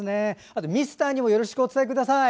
あとミスターにもよろしくお伝えください。